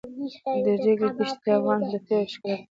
د ریګ دښتې د افغانستان د طبیعت د ښکلا برخه ده.